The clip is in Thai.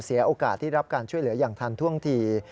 เสียโอกาสที่รับการช่วยเหลืออย่างทันท่วงที